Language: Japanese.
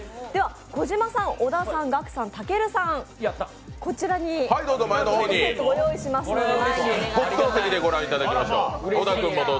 小島さん、小田さん、ガクさんたけるさん、こちらにセットをご用意しますので前にお願いします。